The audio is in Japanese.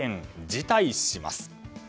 「辞退します」。